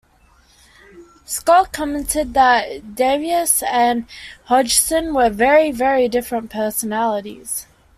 Scott commented that Davies and Hodgson were very, very different personalities.